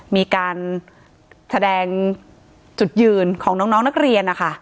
มีการแสดงจุดยืนของน้องนักเรียนนะคะ